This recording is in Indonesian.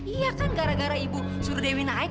iya kan gara gara ibu suruh dewi naik